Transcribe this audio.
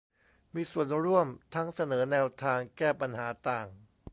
มีส่วนร่วมทั้งเสนอแนวทางแก้ปัญหาต่าง